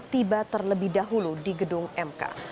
tiba terlebih dahulu di gedung mk